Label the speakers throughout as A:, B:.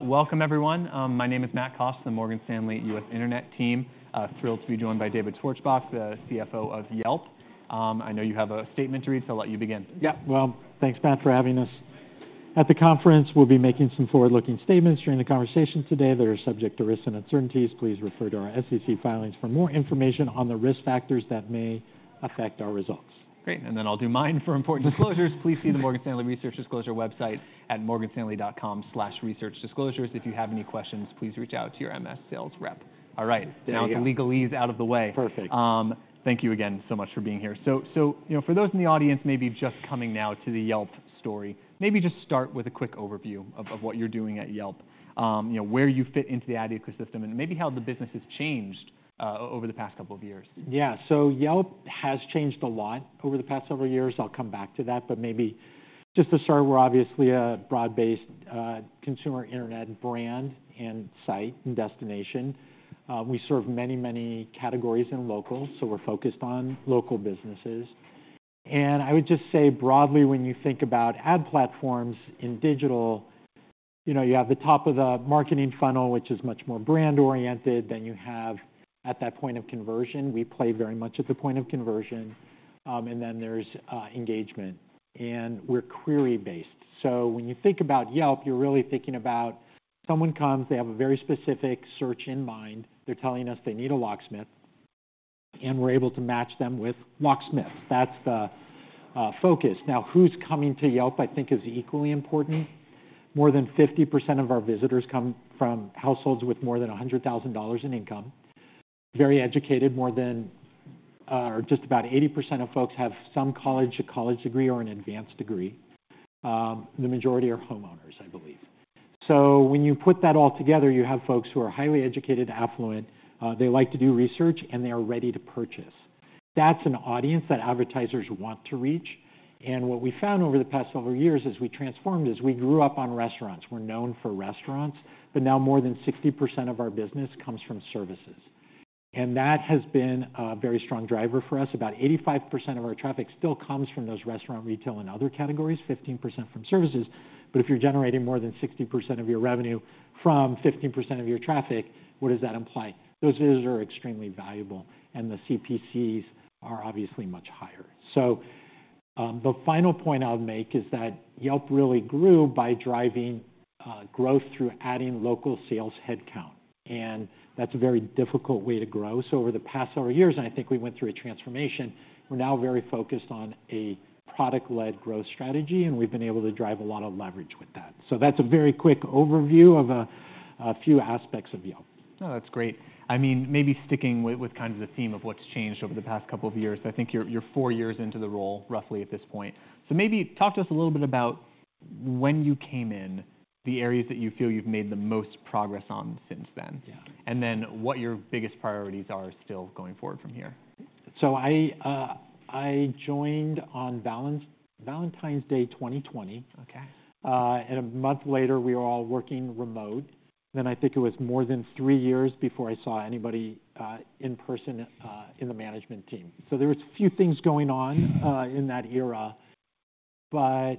A: Welcome everyone. My name is Matt Cost, the Morgan Stanley U.S. Internet Team. Thrilled to be joined by David Schwarzbach, the CFO of Yelp. I know you have a statement to read, so I'll let you begin.
B: Yeah. Well, thanks, Matt, for having us. At the conference, we'll be making some forward-looking statements during the conversation today that are subject to risks and uncertainties. Please refer to our SEC filings for more information on the risk factors that may affect our results.
A: Great, and then I'll do mine. For important disclosures, please see the Morgan Stanley Research Disclosure website at morganstanley.com/researchdisclosures. If you have any questions, please reach out to your MS sales rep. All right.
B: There you go.
A: Now that the legalese out of the way.
B: Perfect.
A: Thank you again so much for being here. So, you know, for those in the audience maybe just coming now to the Yelp story, maybe just start with a quick overview of what you're doing at Yelp. You know, where you fit into the ad ecosystem, and maybe how the business has changed over the past couple of years.
B: Yeah. So Yelp has changed a lot over the past several years. I'll come back to that, but maybe just to start, we're obviously a broad-based consumer internet brand and site and destination. We serve many, many categories in local, so we're focused on local businesses. And I would just say broadly, when you think about ad platforms in digital, you know, you have the top of the marketing funnel, which is much more brand-oriented than you have at that point of conversion. We play very much at the point of conversion. And then there's engagement, and we're query-based. So when you think about Yelp, you're really thinking about someone comes, they have a very specific search in mind. They're telling us they need a locksmith, and we're able to match them with locksmiths. That's the focus. Now, who's coming to Yelp, I think is equally important. More than 50% of our visitors come from households with more than $100,000 in income. Very educated, more than or just about 80% of folks have some college, a college degree, or an advanced degree. The majority are homeowners, I believe. So when you put that all together, you have folks who are highly educated, affluent, they like to do research, and they are ready to purchase. That's an audience that advertisers want to reach. And what we found over the past several years as we transformed, is we grew up on restaurants. We're known for restaurants, but now more than 60% of our business comes from services, and that has been a very strong driver for us. About 85% of our traffic still comes from those restaurant, retail, and other categories, 15% from services. But if you're generating more than 60% of your revenue from 15% of your traffic, what does that imply? Those visitors are extremely valuable, and the CPCs are obviously much higher. So, the final point I'll make is that Yelp really grew by driving growth through adding local sales headcount, and that's a very difficult way to grow. So over the past several years, and I think we went through a transformation, we're now very focused on a product-led growth strategy, and we've been able to drive a lot of leverage with that. So that's a very quick overview of a few aspects of Yelp.
A: Oh, that's great. I mean, maybe sticking with, with kind of the theme of what's changed over the past couple of years. I think you're, you're four years into the role, roughly at this point. So maybe talk to us a little bit about when you came in, the areas that you feel you've made the most progress on since then-
B: Yeah...
A: and then what your biggest priorities are still going forward from here?
B: I joined on Valentine's Day, 2020.
A: Okay.
B: A month later, we were all working remote. I think it was more than three years before I saw anybody in person in the management team. There was a few things going on-
A: Yeah...
B: in that era, but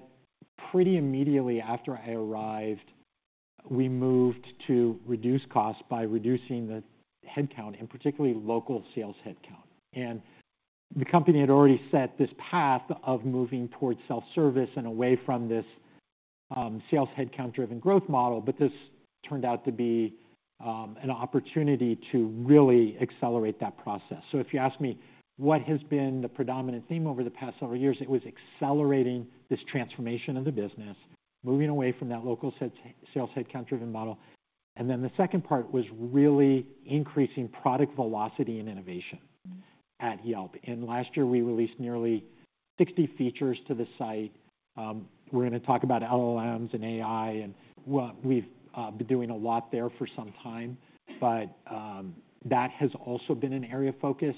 B: pretty immediately after I arrived, we moved to reduce costs by reducing the headcount, and particularly local sales headcount. And the company had already set this path of moving towards self-service and away from this, sales headcount-driven growth model, but this turned out to be, an opportunity to really accelerate that process. So if you ask me what has been the predominant theme over the past several years, it was accelerating this transformation of the business, moving away from that local sales, sales headcount-driven model. And then the second part was really increasing product velocity and innovation at Yelp. And last year, we released nearly 60 features to the site. We're gonna talk about LLMs and AI and well, we've been doing a lot there for some time, but that has also been an area of focus.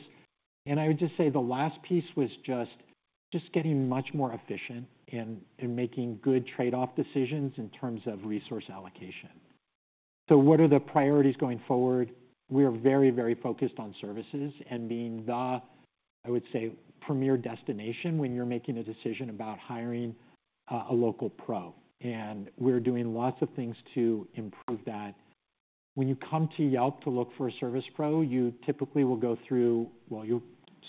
B: I would just say the last piece was just getting much more efficient in making good trade-off decisions in terms of resource allocation. So what are the priorities going forward? We are very, very focused on services and being the, I would say, premier destination when you're making a decision about hiring a local pro, and we're doing lots of things to improve that. When you come to Yelp to look for a service pro, you typically will go through... Well, you'll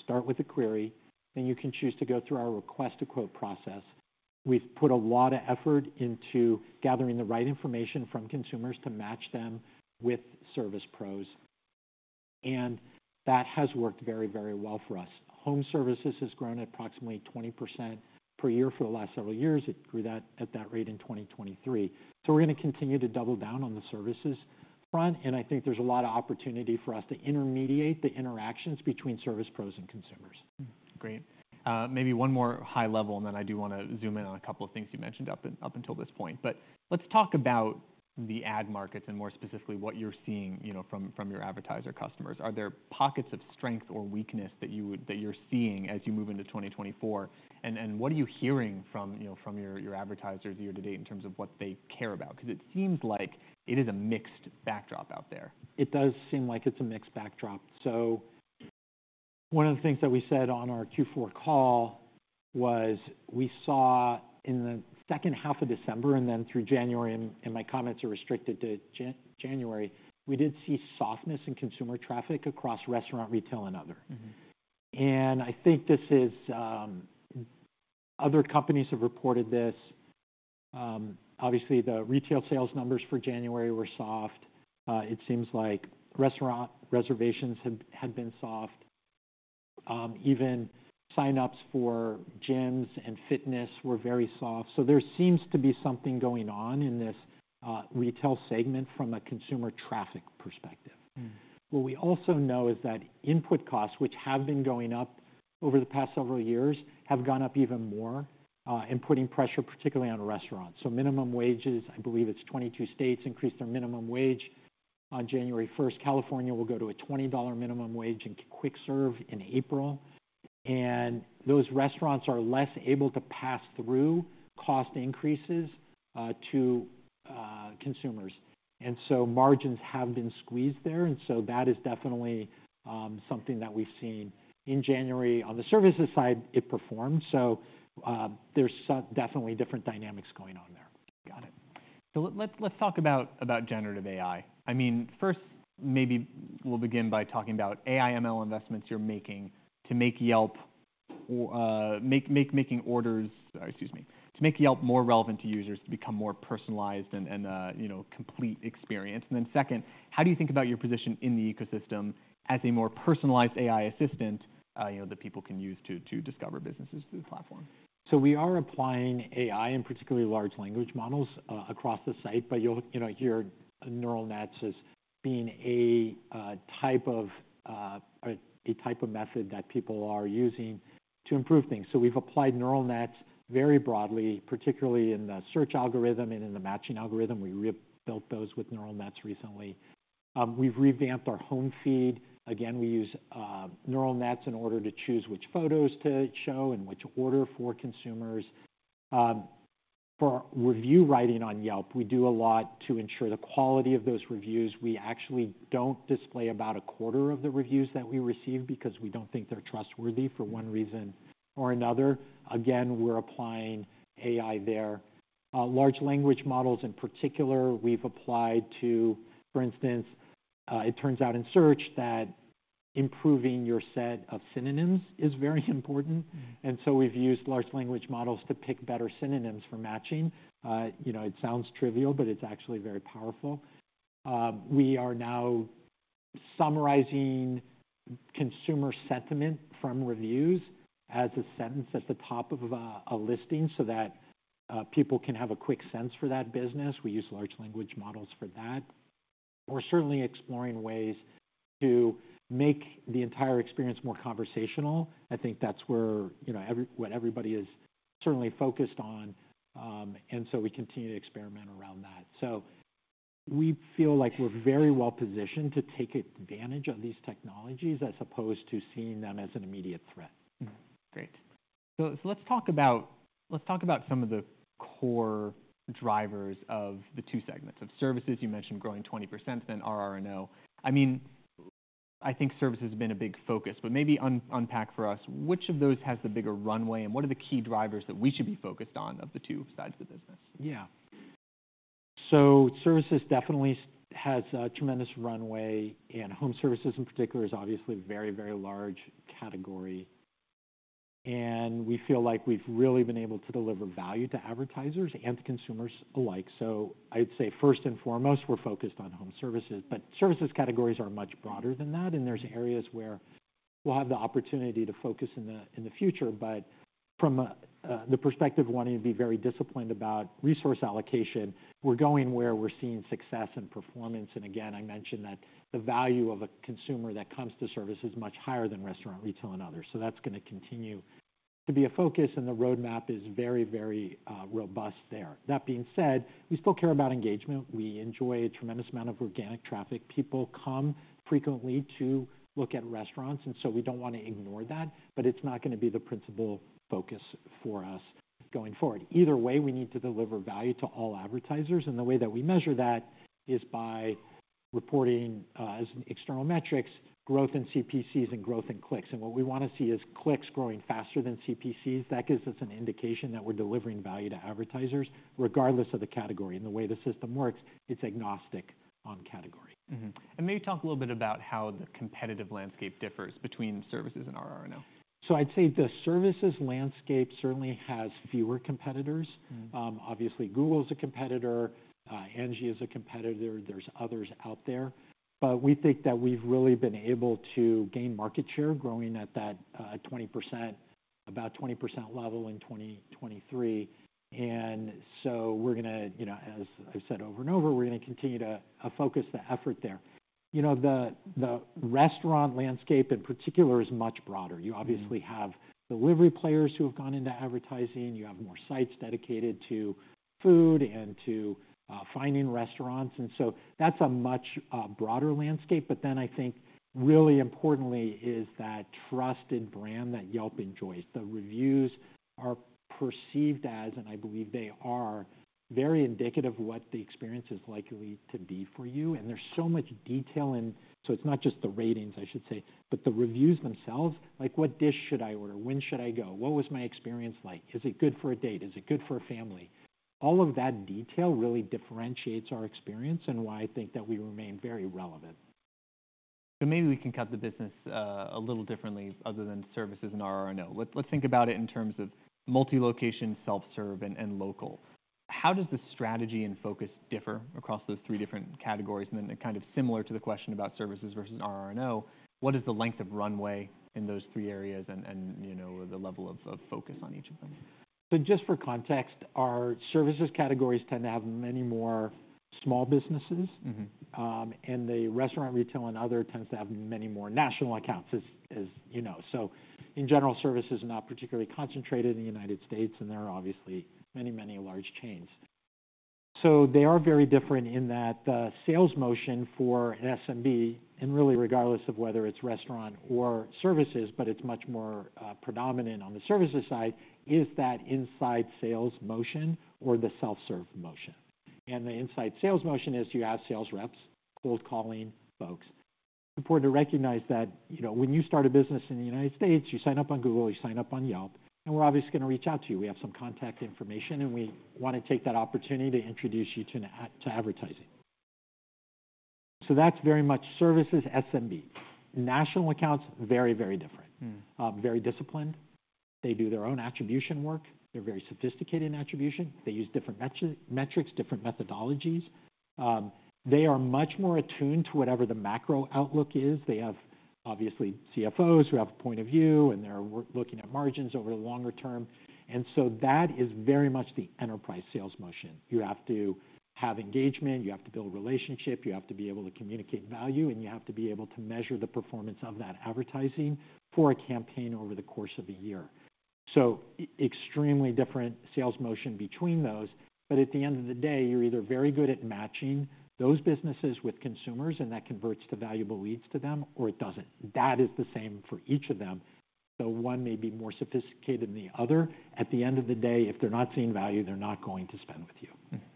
B: start with a query, then you can choose to go through our Request a Quote process. We've put a lot of effort into gathering the right information from consumers to match them with service pros, and that has worked very, very well for us. Home services has grown at approximately 20% per year for the last several years. It grew at that rate in 2023. So we're gonna continue to double down on the services front, and I think there's a lot of opportunity for us to intermediate the interactions between service pros and consumers.
A: Great. Maybe one more high level, and then I do wanna zoom in on a couple of things you mentioned up until this point. But let's talk about the ad markets and more specifically, what you're seeing, you know, from your advertiser customers. Are there pockets of strength or weakness that you're seeing as you move into 2024? And what are you hearing from, you know, from your advertisers year to date in terms of what they care about? Because it seems like it is a mixed backdrop out there.
B: It does seem like it's a mixed backdrop. So, one of the things that we said on our Q4 call was, we saw in the second half of December and then through January, and my comments are restricted to January, we did see softness in consumer traffic across restaurant, retail, and other.
A: Mm-hmm.
B: I think this is, other companies have reported this. Obviously, the retail sales numbers for January were soft. It seems like restaurant reservations had been soft. Even sign-ups for gyms and fitness were very soft. So there seems to be something going on in this retail segment from a consumer traffic perspective.
A: Mm.
B: What we also know is that input costs, which have been going up over the past several years, have gone up even more, and putting pressure, particularly on restaurants. So minimum wages, I believe it's 22 states, increased their minimum wage on January 1st. California will go to a $20 minimum wage in quick serve in April, and those restaurants are less able to pass through cost increases to consumers. And so margins have been squeezed there, and so that is definitely something that we've seen in January. On the services side, it performed. So, there's some definitely different dynamics going on there.
A: Got it. So let's talk about generative AI. I mean, first, maybe we'll begin by talking about AI ML investments you're making to make Yelp more relevant to users, to become more personalized and, you know, complete experience. And then second, how do you think about your position in the ecosystem as a more personalized AI assistant, you know, that people can use to discover businesses through the platform?
B: So we are applying AI, and particularly large language models, across the site, but you'll, you know, hear neural nets as being a type of method that people are using to improve things. So we've applied neural nets very broadly, particularly in the search algorithm and in the matching algorithm. We rebuilt those with neural nets recently. We've revamped our home feed. Again, we use neural nets in order to choose which photos to show and which order for consumers. For review writing on Yelp, we do a lot to ensure the quality of those reviews. We actually don't display about a quarter of the reviews that we receive because we don't think they're trustworthy for one reason or another. Again, we're applying AI there. Large language models, in particular, we've applied to, for instance, it turns out in search that improving your set of synonyms is very important.
A: Mm.
B: We've used large language models to pick better synonyms for matching. You know, it sounds trivial, but it's actually very powerful. We are now summarizing consumer sentiment from reviews as a sentence at the top of a listing so that people can have a quick sense for that business. We use large language models for that. We're certainly exploring ways to make the entire experience more conversational. I think that's where, you know, what everybody is certainly focused on, and so we continue to experiment around that. So we feel like we're very well positioned to take advantage of these technologies, as opposed to seeing them as an immediate threat.
A: Mm. Great. Let's talk about some of the core drivers of the two segments. Services, you mentioned growing 20%, then RR&O. I mean, I think services has been a big focus, but maybe unpack for us which of those has the bigger runway, and what are the key drivers that we should be focused on of the two sides of the business?
B: Yeah. So services definitely has a tremendous runway, and home services, in particular, is obviously a very, very large category, and we feel like we've really been able to deliver value to advertisers and to consumers alike. So I'd say first and foremost, we're focused on home services, but services categories are much broader than that, and there's areas where we'll have the opportunity to focus in the, in the future. But from a, the perspective of wanting to be very disciplined about resource allocation, we're going where we're seeing success and performance. And again, I mentioned that the value of a consumer that comes to service is much higher than restaurant, retail, and others. So that's gonna continue to be a focus, and the roadmap is very, very, robust there. That being said, we still care about engagement. We enjoy a tremendous amount of organic traffic. People come frequently to look at restaurants, and so we don't want to ignore that, but it's not gonna be the principal focus for us going forward. Either way, we need to deliver value to all advertisers, and the way that we measure that is by reporting, as external metrics, growth in CPCs and growth in clicks. What we want to see is clicks growing faster than CPCs. That gives us an indication that we're delivering value to advertisers, regardless of the category, and the way the system works, it's agnostic on category.
A: Mm-hmm. Maybe talk a little bit about how the competitive landscape differs between services and RR&O.
B: I'd say the services landscape certainly has fewer competitors.
A: Mm.
B: Obviously, Google is a competitor, Angi is a competitor. There's others out there. But we think that we've really been able to gain market share, growing at that, 20%, about 20% level in 2023. And so we're gonna, you know, as I've said over and over, we're gonna continue to, focus the effort there. You know, the, the restaurant landscape, in particular, is much broader.
A: Mm.
B: You obviously have delivery players who have gone into advertising. You have more sites dedicated to food and to finding restaurants, and so that's a much broader landscape. But then I think really importantly is that trusted brand that Yelp enjoys. The reviews are perceived as, and I believe they are, very indicative of what the experience is likely to be for you, and there's so much detail in... So it's not just the ratings, I should say, but the reviews themselves, like what dish should I order? When should I go? What was my experience like? Is it good for a date? Is it good for a family? All of that detail really differentiates our experience and why I think that we remain very relevant....
A: So maybe we can cut the business a little differently other than services and RR&O. Let's think about it in terms of multi-location, self-serve, and local. How does the strategy and focus differ across those three different categories? And then kind of similar to the question about services versus RR&O, what is the length of runway in those three areas and, you know, the level of focus on each of them?
B: Just for context, our services categories tend to have many more small businesses.
A: Mm-hmm.
B: And the restaurant, retail, and other tends to have many more national accounts, as you know. So in general, service is not particularly concentrated in the United States, and there are obviously many, many large chains. So they are very different in that sales motion for an SMB, and really regardless of whether it's restaurant or services, but it's much more predominant on the services side, is that inside sales motion or the self-serve motion. And the inside sales motion is you have sales reps cold calling folks. Important to recognize that, you know, when you start a business in the United States, you sign up on Google, you sign up on Yelp, and we're obviously gonna reach out to you. We have some contact information, and we wanna take that opportunity to introduce you to advertising. So that's very much services SMB. National accounts, very, very different.
A: Mm.
B: Very disciplined. They do their own attribution work. They're very sophisticated in attribution. They use different metrics, different methodologies. They are much more attuned to whatever the macro outlook is. They have, obviously, CFOs who have a point of view, and they're looking at margins over the longer term. And so that is very much the enterprise sales motion. You have to have engagement, you have to build relationship, you have to be able to communicate value, and you have to be able to measure the performance of that advertising for a campaign over the course of a year. So extremely different sales motion between those. But at the end of the day, you're either very good at matching those businesses with consumers, and that converts to valuable leads to them, or it doesn't. That is the same for each of them, so one may be more sophisticated than the other. At the end of the day, if they're not seeing value, they're not going to spend with you.
A: Mm-hmm.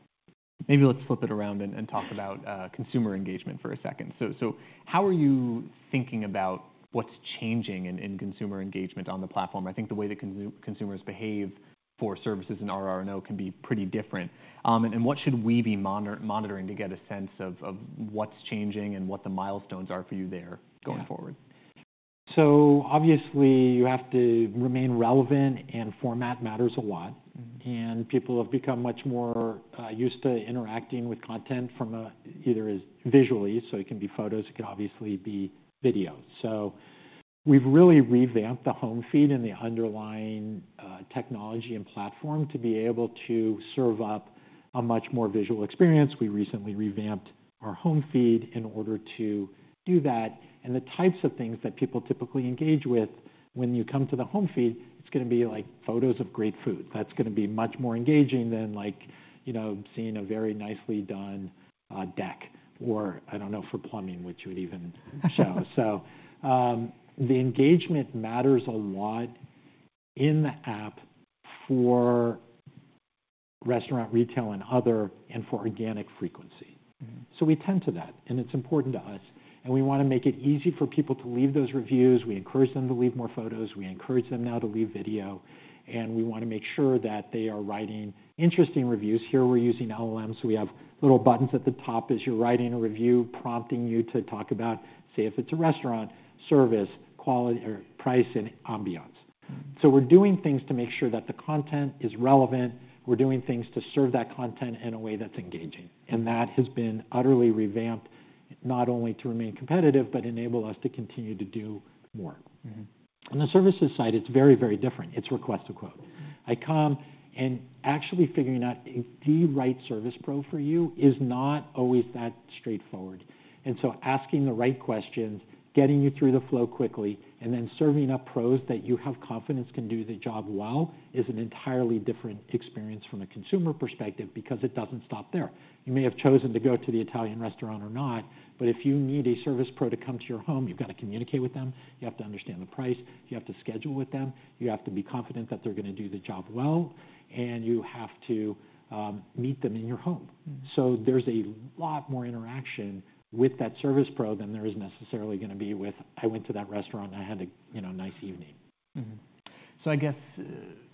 A: Maybe let's flip it around and talk about consumer engagement for a second. So how are you thinking about what's changing in consumer engagement on the platform? I think the way that consumers behave for services and RR&O can be pretty different. And what should we be monitoring to get a sense of what's changing and what the milestones are for you there?
B: Yeah...
A: going forward?
B: Obviously, you have to remain relevant, and format matters a lot.
A: Mm-hmm.
B: People have become much more used to interacting with content from a either as visually, so it can be photos, it can obviously be video. So we've really revamped the home feed and the underlying technology and platform to be able to serve up a much more visual experience. We recently revamped our home feed in order to do that. The types of things that people typically engage with when you come to the home feed, it's gonna be like photos of great food. That's gonna be much more engaging than like, you know, seeing a very nicely done deck, or I don't know, for plumbing. So the engagement matters a lot in the app for restaurant, retail, and other, and for organic frequency.
A: Mm-hmm.
B: So we tend to that, and it's important to us, and we wanna make it easy for people to leave those reviews. We encourage them to leave more photos. We encourage them now to leave video, and we wanna make sure that they are writing interesting reviews. Here, we're using LLM, so we have little buttons at the top as you're writing a review, prompting you to talk about, say, if it's a restaurant, service, quality or price, and ambiance.
A: Mm.
B: So we're doing things to make sure that the content is relevant. We're doing things to serve that content in a way that's engaging, and that has been utterly revamped, not only to remain competitive, but enable us to continue to do more.
A: Mm-hmm.
B: On the services side, it's very, very different. It's Request a Quote.
A: Mm-hmm.
B: Actually figuring out the right service pro for you is not always that straightforward. So asking the right questions, getting you through the flow quickly, and then serving up pros that you have confidence can do the job well, is an entirely different experience from a consumer perspective because it doesn't stop there. You may have chosen to go to the Italian restaurant or not, but if you need a service pro to come to your home, you've got to communicate with them, you have to understand the price, you have to schedule with them, you have to be confident that they're gonna do the job well, and you have to meet them in your home.
A: Mm.
B: So there's a lot more interaction with that service pro than there is necessarily gonna be with, "I went to that restaurant, and I had a, you know, nice evening.
A: Mm-hmm. So I guess,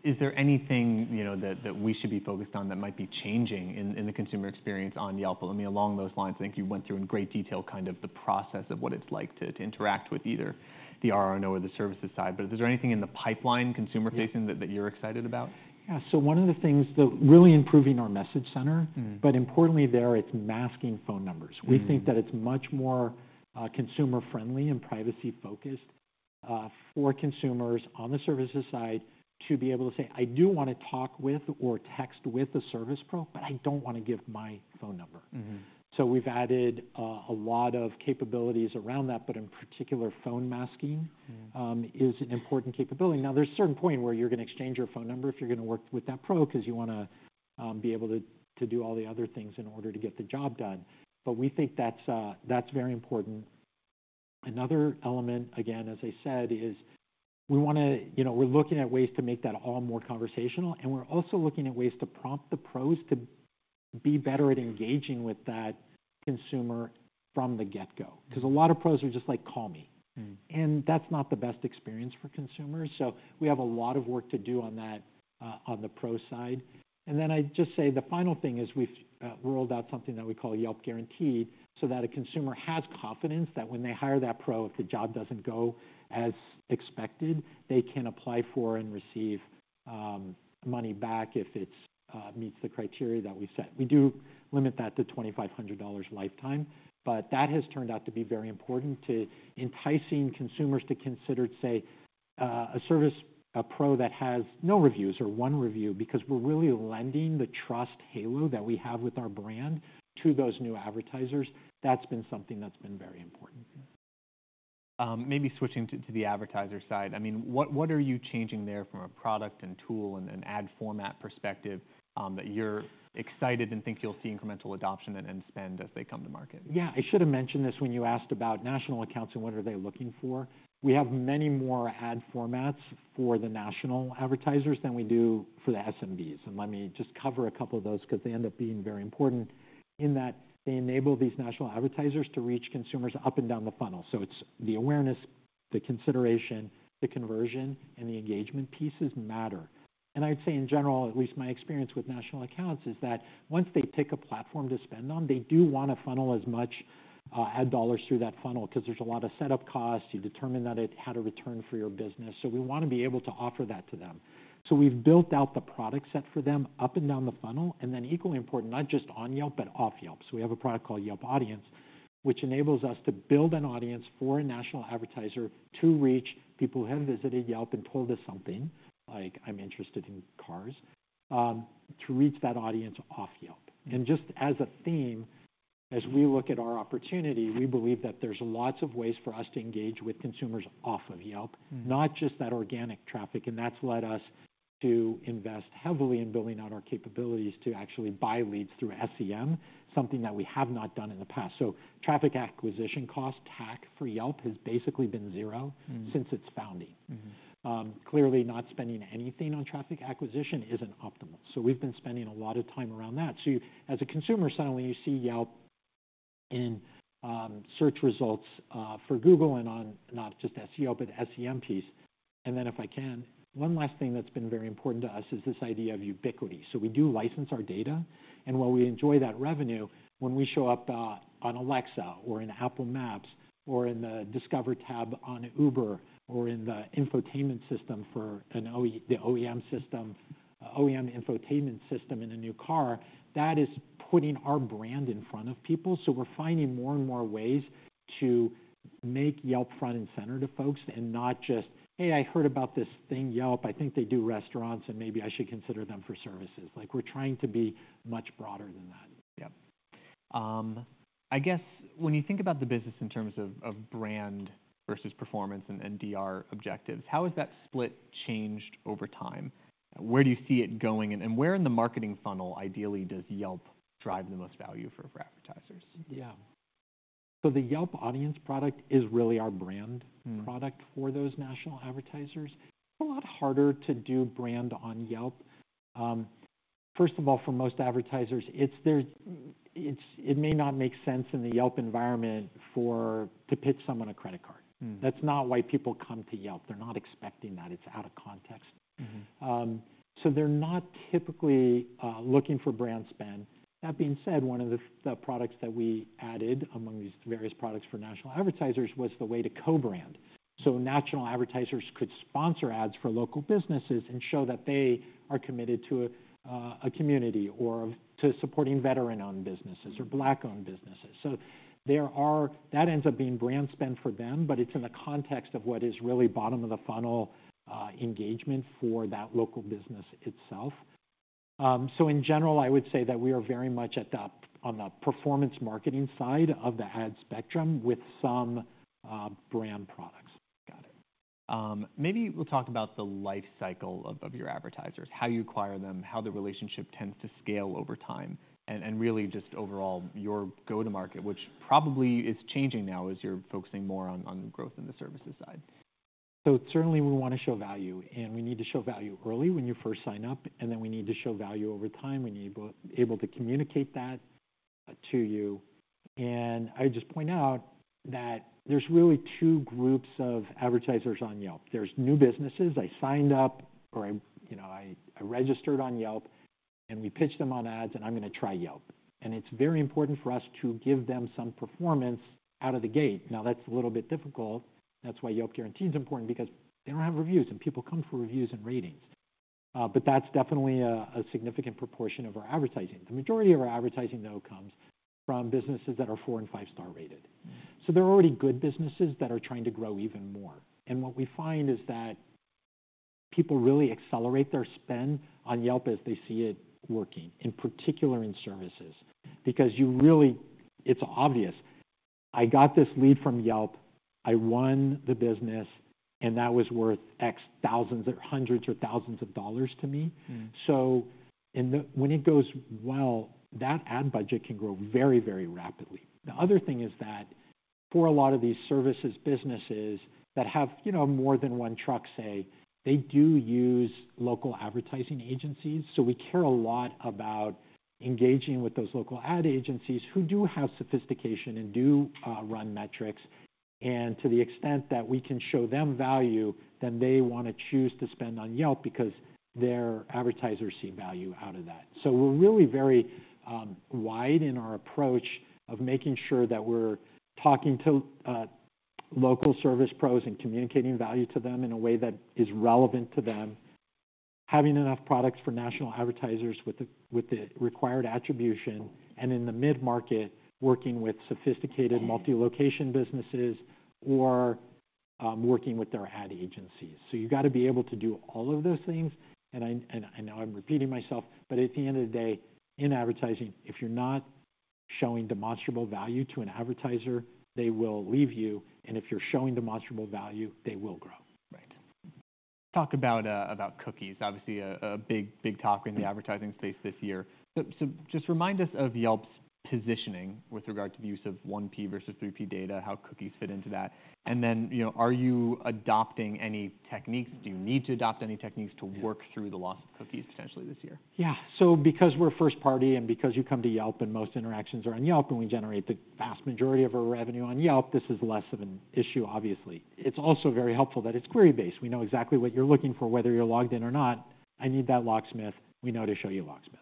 A: is there anything, you know, that we should be focused on that might be changing in the consumer experience on Yelp? I mean, along those lines, I think you went through in great detail, kind of the process of what it's like to interact with either the RR&O or the services side. But is there anything in the pipeline consumer-facing-
B: Yeah...
A: that you're excited about?
B: Yeah. So one of the things that really improving our Message Center-
A: Mm.
B: But importantly, there, it's masking phone numbers.
A: Mm-hmm.
B: We think that it's much more, consumer-friendly and privacy-focused, for consumers on the services side to be able to say, "I do wanna talk with or text with a service pro, but I don't wanna give my phone number.
A: Mm-hmm.
B: So we've added a lot of capabilities around that, but in particular, phone masking-
A: Mm...
B: is an important capability. Now, there's a certain point where you're gonna exchange your phone number if you're gonna work with that pro, 'cause you wanna be able to do all the other things in order to get the job done. But we think that's that's very important. Another element, again, as I said, is we wanna... You know, we're looking at ways to make that all more conversational, and we're also looking at ways to prompt the pros to be better at engaging with that consumer from the get-go. Because a lot of pros are just like, "Call me.
A: Mm-hmm.
B: That's not the best experience for consumers, so we have a lot of work to do on that on the pro side. Then I'd just say the final thing is we've rolled out something that we call Yelp Guaranteed, so that a consumer has confidence that when they hire that pro, if the job doesn't go as expected, they can apply for and receive money back if it meets the criteria that we've set. We do limit that to $2,500 lifetime, but that has turned out to be very important to enticing consumers to consider, say a service, a pro that has no reviews or one review, because we're really lending the trust halo that we have with our brand to those new advertisers. That's been something that's been very important.
A: Maybe switching to the advertiser side. I mean, what are you changing there from a product and tool and an ad format perspective, that you're excited and think you'll see incremental adoption and spend as they come to market?
B: Yeah. I should have mentioned this when you asked about national accounts and what are they looking for. We have many more ad formats for the national advertisers than we do for the SMBs, and let me just cover a couple of those because they end up being very important in that they enable these national advertisers to reach consumers up and down the funnel. So it's the awareness, the consideration, the conversion, and the engagement pieces matter. And I'd say in general, at least my experience with national accounts, is that once they pick a platform to spend on, they do want to funnel as much ad dollars through that funnel because there's a lot of setup costs. You determine that it had a return for your business. So we want to be able to offer that to them. So we've built out the product set for them up and down the funnel, and then equally important, not just on Yelp, but off Yelp. So we have a product called Yelp Audience, which enables us to build an audience for a national advertiser to reach people who have visited Yelp and told us something, like, "I'm interested in cars," to reach that audience off Yelp.
A: Mm.
B: And just as a theme-
A: Mm.
B: As we look at our opportunity, we believe that there's lots of ways for us to engage with consumers off of Yelp.
A: Mm.
B: Not just that organic traffic, and that's led us to invest heavily in building out our capabilities to actually buy leads through SEM, something that we have not done in the past. So traffic acquisition cost, TAC, for Yelp has basically been zero-
A: Mm.
B: since its founding.
A: Mm-hmm.
B: Clearly not spending anything on traffic acquisition isn't optimal, so we've been spending a lot of time around that. So as a consumer, suddenly you see Yelp in search results for Google and on not just SEO, but SEM piece. And then if I can, one last thing that's been very important to us is this idea of ubiquity. So we do license our data, and while we enjoy that revenue, when we show up on Alexa, or in Apple Maps, or in the Discover tab on Uber, or in the infotainment system for the OEM infotainment system in a new car, that is putting our brand in front of people. So we're finding more and more ways to make Yelp front and center to folks, and not just, "Hey, I heard about this thing, Yelp. I think they do restaurants, and maybe I should consider them for services. Like, we're trying to be much broader than that.
A: Yep. I guess when you think about the business in terms of brand versus performance and DR objectives, how has that split changed over time? Where do you see it going, and where in the marketing funnel, ideally, does Yelp drive the most value for advertisers?
B: Yeah. So the Yelp Audience product is really our brand-
A: Mm
B: - product for those national advertisers. It's a lot harder to do brand on Yelp. First of all, for most advertisers, it's – it may not make sense in the Yelp environment for... to pitch someone a credit card.
A: Mm.
B: That's not why people come to Yelp. They're not expecting that. It's out of context.
A: Mm-hmm.
B: So they're not typically looking for brand spend. That being said, one of the products that we added among these various products for national advertisers was the way to co-brand. So national advertisers could sponsor ads for local businesses and show that they are committed to a community, or to supporting veteran-owned businesses-
A: Mm
B: - or Black-owned businesses. So that ends up being brand spend for them, but it's in the context of what is really bottom-of-the-funnel engagement for that local business itself. So in general, I would say that we are very much at the, on the performance marketing side of the ad spectrum with some brand products.
A: Got it. Maybe we'll talk about the life cycle of your advertisers, how you acquire them, how the relationship tends to scale over time, and really just overall, your go-to-market, which probably is changing now as you're focusing more on growth in the services side.
B: So certainly we want to show value, and we need to show value early when you first sign up, and then we need to show value over time. We need to be able to communicate that to you. I'd just point out that there's really two groups of advertisers on Yelp. There's new businesses, "I signed up," or, "I, you know, registered on Yelp," and we pitched them on ads, "and I'm gonna try Yelp." And it's very important for us to give them some performance out of the gate. Now, that's a little bit difficult. That's why Yelp Guaranteed is important, because they don't have reviews, and people come for reviews and ratings. But that's definitely a significant proportion of our advertising. The majority of our advertising, though, comes from businesses that are four- and five-star rated.
A: Mm.
B: They're already good businesses that are trying to grow even more. What we find is that people really accelerate their spend on Yelp as they see it working, in particular in services. Because it's obvious. I got this lead from Yelp, I won the business, and that was worth X thousands or hundreds or thousands of dollars to me.
A: Mm.
B: When it goes well, that ad budget can grow very, very rapidly. The other thing is that for a lot of these services, businesses that have, you know, more than one truck, say, they do use local advertising agencies. So we care a lot about engaging with those local ad agencies who do have sophistication and do run metrics. And to the extent that we can show them value, then they wanna choose to spend on Yelp because their advertisers see value out of that. So we're really very wide in our approach of making sure that we're talking to local service pros and communicating value to them in a way that is relevant to them. Having enough products for national advertisers with the required attribution, and in the mid-market, working with sophisticated multi-location businesses or working with their ad agencies. So you've gotta be able to do all of those things. And I know I'm repeating myself, but at the end of the day, in advertising, if you're not showing demonstrable value to an advertiser, they will leave you, and if you're showing demonstrable value, they will grow.
A: Right. Talk about cookies. Obviously, a big topic in the advertising space this year. So just remind us of Yelp's positioning with regard to the use of 1P versus 3P data, how cookies fit into that, and then, you know, are you adopting any techniques? Do you need to adopt any techniques to-
B: Yeah...
A: work through the loss of cookies potentially this year?
B: Yeah. So because we're first party and because you come to Yelp and most interactions are on Yelp, and we generate the vast majority of our revenue on Yelp, this is less of an issue, obviously. It's also very helpful that it's query-based. We know exactly what you're looking for, whether you're logged in or not. I need that locksmith, we know to show you a locksmith.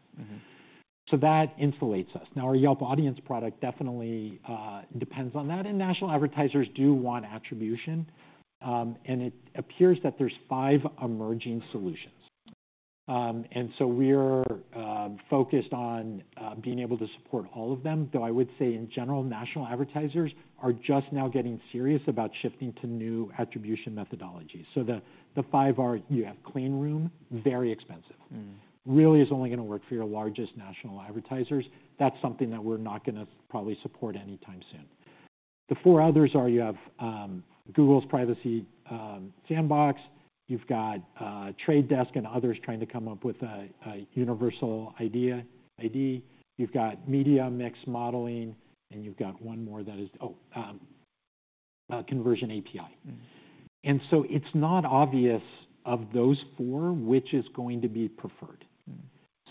A: Mm-hmm.
B: So that insulates us. Now, our Yelp Audience product definitely depends on that, and national advertisers do want attribution. And it appears that there's five emerging solutions. And so we're focused on being able to support all of them, though I would say in general, national advertisers are just now getting serious about shifting to new attribution methodologies. So the five are, you have clean room, very expensive.
A: Mm-hmm.
B: Really is only gonna work for your largest national advertisers. That's something that we're not gonna probably support anytime soon. The four others are, you have, Google's Privacy Sandbox, you've got, Trade Desk and others trying to come up with a universal ID. You've got media mix modeling, and you've got one more that is conversion API.
A: Mm-hmm.
B: It's not obvious of those four, which is going to be preferred.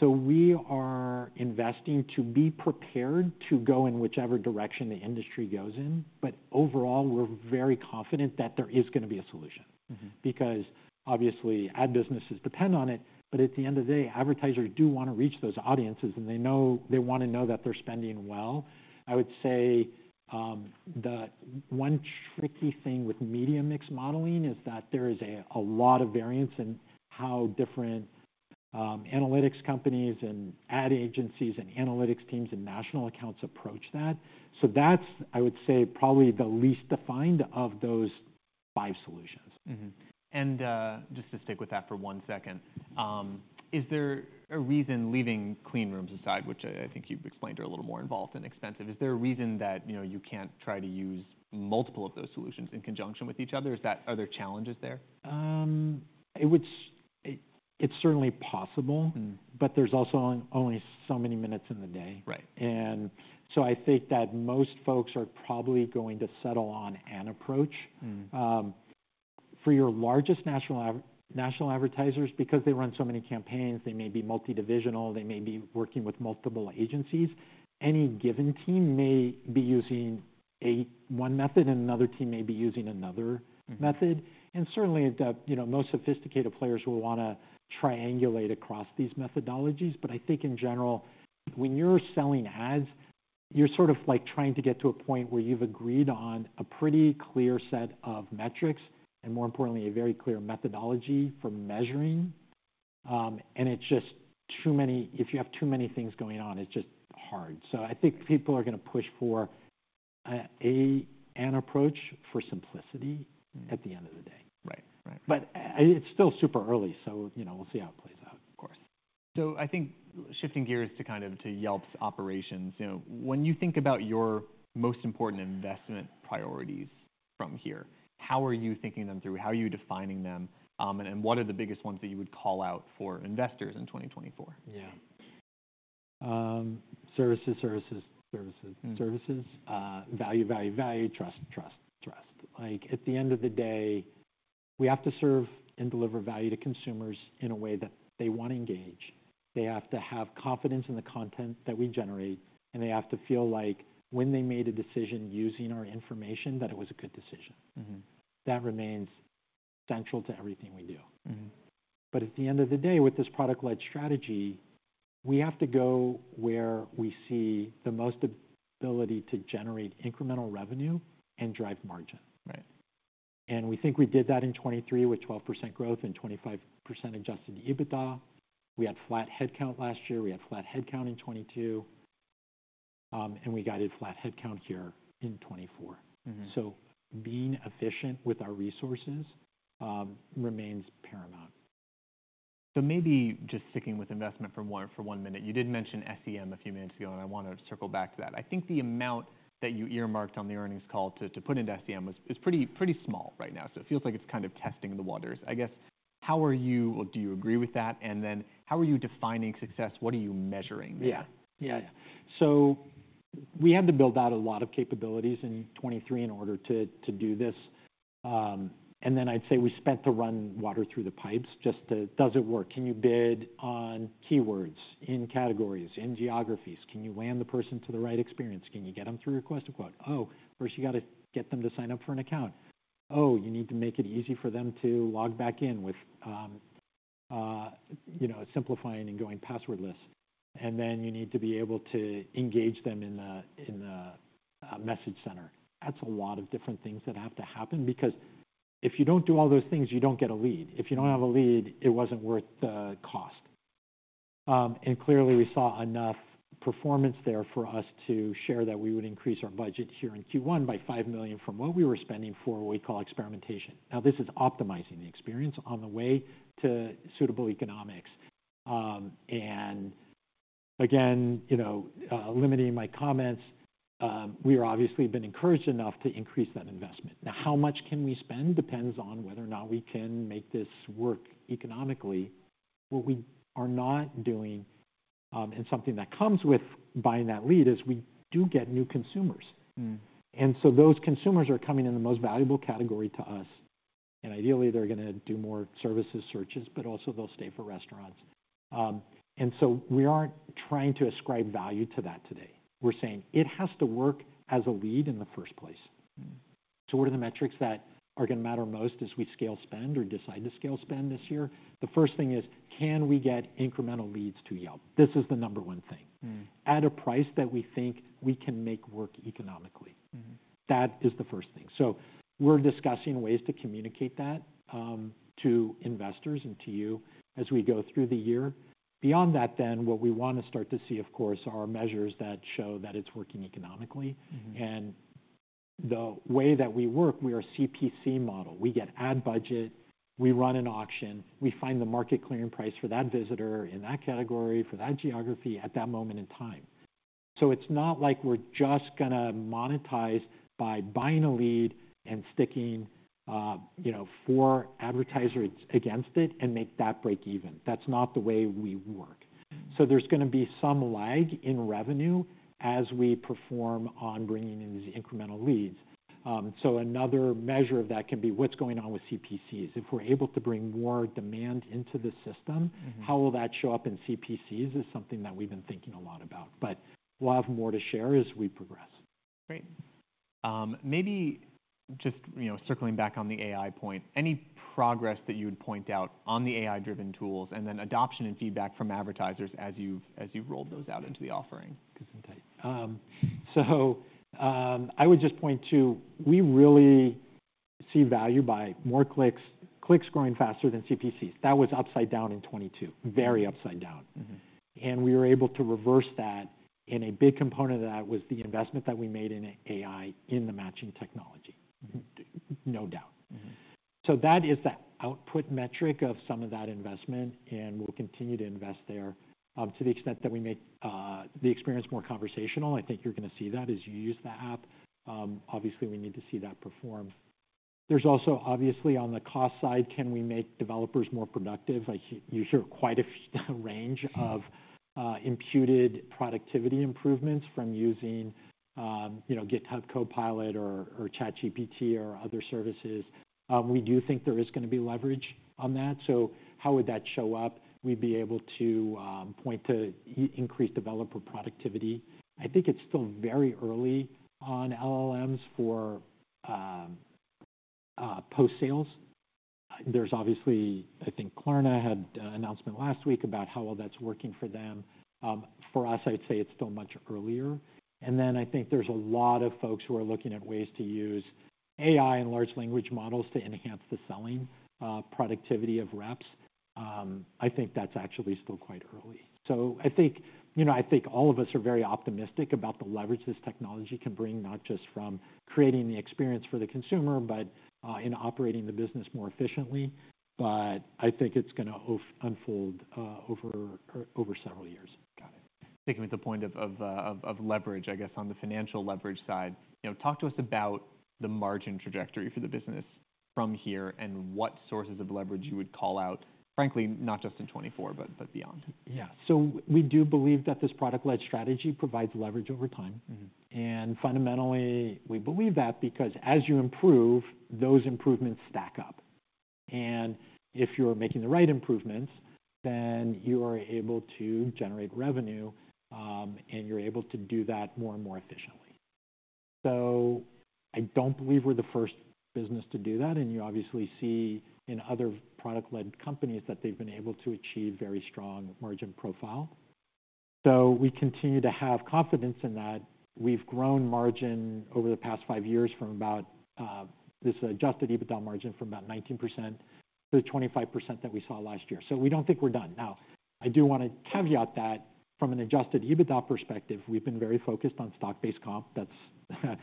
A: Mm-hmm.
B: We are investing to be prepared to go in whichever direction the industry goes in. Overall, we're very confident that there is gonna be a solution.
A: Mm-hmm.
B: Because obviously, ad businesses depend on it. But at the end of the day, advertisers do wanna reach those audiences, and they know, they wanna know that they're spending well. I would say, the one tricky thing with media mix modeling is that there is a lot of variance in how different analytics companies and ad agencies and analytics teams and national accounts approach that. So that's, I would say, probably the least defined of those five solutions.
A: Mm-hmm. And just to stick with that for one second, is there a reason, leaving clean rooms aside, which I think you've explained are a little more involved and expensive, is there a reason that, you know, you can't try to use multiple of those solutions in conjunction with each other? Is that? Are there challenges there?
B: It's certainly possible.
A: Mm-hmm.
B: But there's also only so many minutes in the day.
A: Right.
B: I think that most folks are probably going to settle on an approach.
A: Mm-hmm.
B: For your largest national advertisers, because they run so many campaigns, they may be multi-divisional, they may be working with multiple agencies, any given team may be using one method, and another team may be using another method.
A: Mm-hmm.
B: And certainly, you know, most sophisticated players will wanna triangulate across these methodologies. But I think in general, when you're selling ads, you're sort of like trying to get to a point where you've agreed on a pretty clear set of metrics, and more importantly, a very clear methodology for measuring. It's just too many... If you have too many things going on, it's just hard. So I think people are gonna push for an approach for simplicity-
A: Mm-hmm...
B: at the end of the day.
A: Right. Right.
B: But, it's still super early, so, you know, we'll see how it plays out, of course.
A: So I think shifting gears to kind of to Yelp's operations, you know, when you think about your most important investment priorities from here, how are you thinking them through? How are you defining them? What are the biggest ones that you would call out for investors in 2024?
B: Yeah. Services, services, services-
A: Mm...
B: services, value, value, value, trust, trust, trust. Like, at the end of the day, we have to serve and deliver value to consumers in a way that they wanna engage. They have to have confidence in the content that we generate, and they have to feel like when they made a decision using our information, that it was a good decision.
A: Mm-hmm.
B: That remains central to everything we do.
A: Mm-hmm.
B: But at the end of the day, with this product-led strategy, we have to go where we see the most ability to generate incremental revenue and drive margin.
A: Right.
B: We think we did that in 2023, with 12% growth and 25% adjusted EBITDA. We had flat headcount last year, we had flat headcount in 2022, and we guided flat headcount here in 2024.
A: Mm-hmm.
B: So being efficient with our resources remains paramount.
A: So maybe just sticking with investment for one, for one minute. You did mention SEM a few minutes ago, and I wanna circle back to that. I think the amount that you earmarked on the earnings call to, to put into SEM was- is pretty, pretty small right now, so it feels like it's kind of testing the waters. I guess-... How are you-- or do you agree with that? And then how are you defining success? What are you measuring there?
B: Yeah. Yeah. So we had to build out a lot of capabilities in 2023 in order to do this. And then I'd say we spent to run water through the pipes, just to... Does it work? Can you bid on keywords, in categories, in geographies? Can you land the person to the right experience? Can you get them through Request a Quote? Oh, first you got to get them to sign up for an account. Oh, you need to make it easy for them to log back in with, you know, simplifying and going passwordless. And then you need to be able to engage them in the Message Center. That's a lot of different things that have to happen, because if you don't do all those things, you don't get a lead. If you don't have a lead, it wasn't worth the cost. And clearly, we saw enough performance there for us to share that we would increase our budget here in Q1 by $5 million from what we were spending for what we call experimentation. Now, this is optimizing the experience on the way to suitable economics. And again, you know, limiting my comments, we are obviously been encouraged enough to increase that investment. Now, how much can we spend depends on whether or not we can make this work economically. What we are not doing, and something that comes with buying that lead, is we do get new consumers.
A: Mm-hmm.
B: Those consumers are coming in the most valuable category to us, and ideally, they're gonna do more services searches, but also they'll stay for restaurants. We aren't trying to ascribe value to that today. We're saying it has to work as a lead in the first place.
A: Mm-hmm.
B: What are the metrics that are gonna matter most as we scale, spend, or decide to scale spend this year? The first thing is, can we get incremental leads to Yelp? This is the number one thing.
A: Mm-hmm.
B: At a price that we think we can make work economically.
A: Mm-hmm.
B: That is the first thing. So we're discussing ways to communicate that, to investors and to you as we go through the year. Beyond that, then, what we want to start to see, of course, are measures that show that it's working economically.
A: Mm-hmm.
B: The way that we work, we are CPC model. We get ad budget, we run an auction, we find the market clearing price for that visitor in that category, for that geography at that moment in time. So it's not like we're just gonna monetize by buying a lead and sticking, you know, four advertisers against it and make that break even. That's not the way we work.
A: Mm-hmm.
B: So there's gonna be some lag in revenue as we perform on bringing in these incremental leads. So another measure of that can be what's going on with CPCs. If we're able to bring more demand into the system-
A: Mm-hmm.
B: How will that show up in CPCs is something that we've been thinking a lot about, but we'll have more to share as we progress.
A: Great. Maybe just, you know, circling back on the AI point, any progress that you would point out on the AI-driven tools, and then adoption and feedback from advertisers as you've rolled those out into the offering?
B: Good insight. So, I would just point to, we really see value by more clicks, clicks growing faster than CPCs. That was upside down in 2022.
A: Mm-hmm.
B: Very upside down.
A: Mm-hmm.
B: We were able to reverse that, and a big component of that was the investment that we made in AI in the matching technology.
A: Mm-hmm.
B: No doubt.
A: Mm-hmm.
B: So that is the output metric of some of that investment, and we'll continue to invest there, to the extent that we make the experience more conversational. I think you're gonna see that as you use the app. Obviously, we need to see that perform. There's also, obviously, on the cost side, can we make developers more productive? Like, you hear quite a range of imputed productivity improvements from using, you know, GitHub Copilot or ChatGPT or other services. We do think there is gonna be leverage on that. So how would that show up? We'd be able to point to increased developer productivity. I think it's still very early on LLMs for post-sales. There's obviously... I think Klarna had an announcement last week about how well that's working for them. For us, I'd say it's still much earlier. And then I think there's a lot of folks who are looking at ways to use AI and large language models to enhance the selling productivity of reps. I think that's actually still quite early. So I think, you know, I think all of us are very optimistic about the leverage this technology can bring, not just from creating the experience for the consumer, but in operating the business more efficiently. But I think it's gonna unfold over several years.
A: Got it. Sticking with the point of leverage, I guess, on the financial leverage side, you know, talk to us about the margin trajectory for the business from here and what sources of leverage you would call out, frankly, not just in 2024, but beyond.
B: Yeah. So we do believe that this product-led strategy provides leverage over time.
A: Mm-hmm.
B: Fundamentally, we believe that because as you improve, those improvements stack up. If you're making the right improvements, then you are able to generate revenue, and you're able to do that more and more efficiently. I don't believe we're the first business to do that, and you obviously see in other product-led companies that they've been able to achieve very strong margin profile. We continue to have confidence in that. We've grown margin over the past five years from about this adjusted EBITDA margin from about 19% to the 25% that we saw last year. We don't think we're done. Now, I do want to caveat that from an adjusted EBITDA perspective, we've been very focused on stock-based comp. That's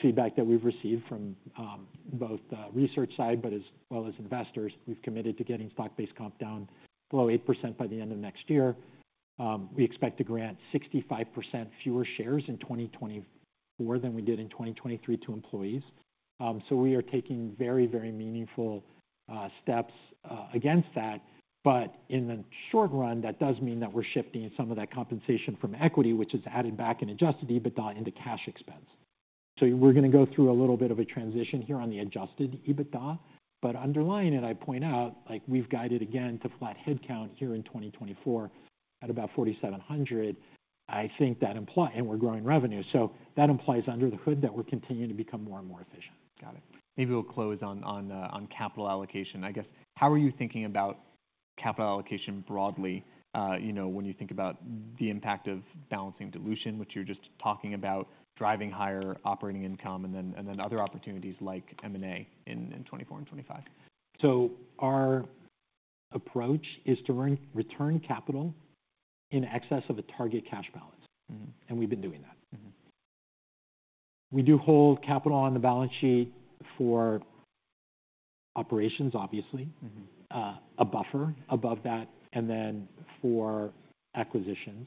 B: feedback that we've received from both the research side, but as well as investors. We've committed to getting stock-based comp down below 8% by the end of next year. We expect to grant 65% fewer shares in 2024 than we did in 2023 to employees. So we are taking very, very meaningful steps against that. But in the short run, that does mean that we're shifting some of that compensation from equity, which is added back in adjusted EBITDA into cash expense. So we're gonna go through a little bit of a transition here on the adjusted EBITDA. But underlying it, I point out, like, we've guided again to flat head count here in 2024 at about 4,700. I think that implies and we're growing revenue, so that implies under the hood that we're continuing to become more and more efficient.
A: Got it. Maybe we'll close on capital allocation. I guess, how are you thinking about capital allocation broadly, you know, when you think about the impact of balancing dilution, which you're just talking about, driving higher operating income, and then other opportunities like M&A in 2024 and 2025?
B: Our approach is to return capital in excess of a target cash balance.
A: Mm-hmm.
B: We've been doing that.
A: Mm-hmm.
B: We do hold capital on the balance sheet for operations, obviously.
A: Mm-hmm...
B: a buffer above that, and then for acquisitions.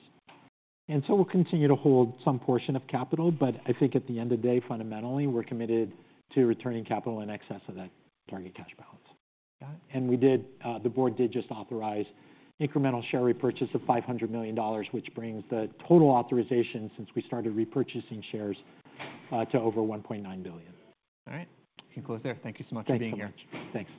B: And so we'll continue to hold some portion of capital, but I think at the end of the day, fundamentally, we're committed to returning capital in excess of that target cash balance.
A: Got it.
B: And we did, the board did just authorize incremental share repurchase of $500 million, which brings the total authorization since we started repurchasing shares to over $1.9 billion.
A: All right. We close there. Thank you so much for being here.
B: Thank you very much. Thank you.